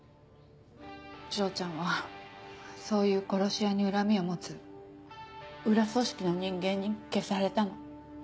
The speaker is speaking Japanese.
丈ちゃんはそういう殺し屋に恨みを持つ裏組織の人間に消されたの。